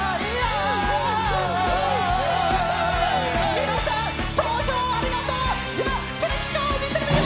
皆さん、投票ありがとう！